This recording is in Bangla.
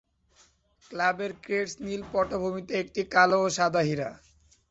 ক্লাবের ক্রেস্ট নীল পটভূমিতে একটি কালো ও সাদা হীরা।